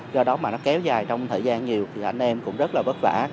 do đó mà nó kéo dài trong thời gian nhiều thì anh em cũng rất là vất vả